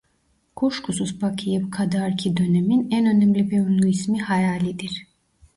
Kuşkusuz Baki'ye kadarki dönemin en önemli ve ünlü ismi Hayali'dir.